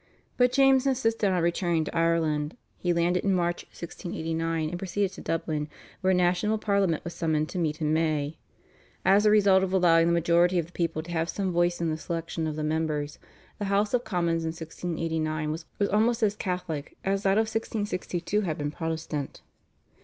But James insisted on returning to Ireland. He landed in March 1689 and proceeded to Dublin, where a national Parliament was summoned to meet in May. As a result of allowing the majority of the people to have some voice in the selection of the members, the House of Commons in 1689 was almost as Catholic as that of 1662 had been Protestant.